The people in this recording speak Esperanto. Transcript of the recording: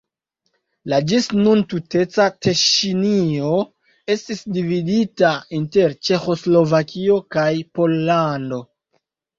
La ĝis nun tuteca Teŝinio estis dividita inter Ĉeĥoslovakio kaj Pollando.